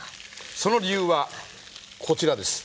その理由はこちらです。